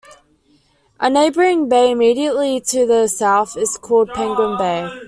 A neighbouring bay immediately to the south is called Penguin Bay.